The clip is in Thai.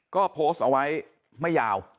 ก็โพสต์เอาไว้ไม่ยาว